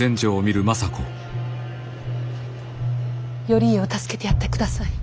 頼家を助けてやってください。